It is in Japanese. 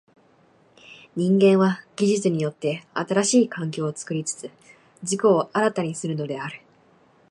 人間は技術によって新しい環境を作りつつ自己を新たにするのである。